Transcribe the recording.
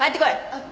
あっ。